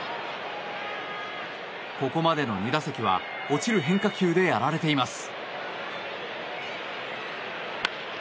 ここまでの２打席は落ちる変化球でやられています。